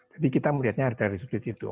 jadi kita melihatnya dari sudut hidup